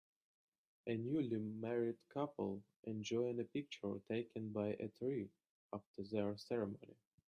a newly married couple enjoying a picture taken by a tree after their ceremony.